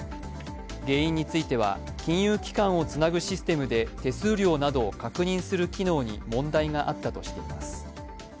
原因については、金融機関を繋ぐシステムで手数料などを確認する機能に問題があったとしています。